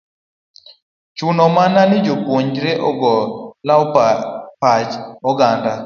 chuno mana ni jopuonjre go oluw pach oganda